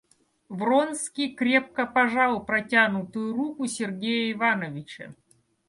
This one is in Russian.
Вронский крепко пожал протянутую руку Сергея Ивановича.